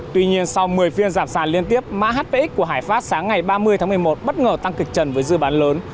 tuy nhiên sau một mươi phiên giảm sàn liên tiếp mã hpx của hải pháp sáng ngày ba mươi tháng một mươi một bất ngờ tăng kịch trần với dư bán lớn